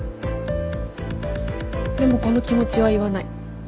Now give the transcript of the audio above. でもこの気持ちは言わない。